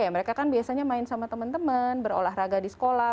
ya mereka kan biasanya main sama teman teman berolahraga di sekolah